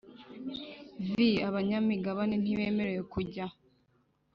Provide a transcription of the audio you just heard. Vi abanyamigabane ntibemerewe kujya